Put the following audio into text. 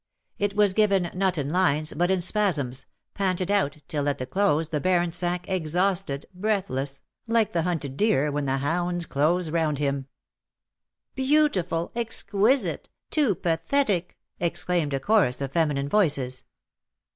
It was given, not in lines, but in spasms, panted out, till at the close the Baron sank exhausted, breathless, like the hunted deer when the hounds close round him. '^Beautiful! exquisite! too pathetic!'' exclaimed a chorus of feminine voices.